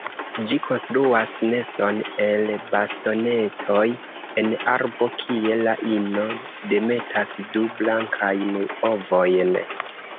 Ĝi konstruas neston el bastonetoj en arbo, kie la ino demetas du blankajn ovojn.